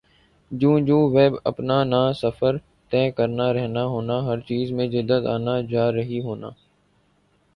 جوں جوں ویب اپنانا سفر طے کرنا رہنا ہونا ہَر چیز میں جدت آنا جارہی ہونا